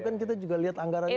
kan kita juga lihat anggarannya